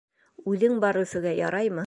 Үҙең бар Өфөгә, яраймы?